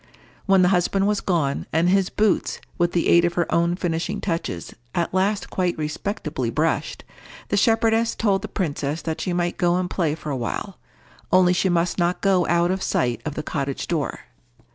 When the husband was gone, and his boots, with the aid of her own finishing touches, at last quite respectably brushed, the shepherdess told the princess that she might go and play for a while, only she must not go out of sight of the cottage door.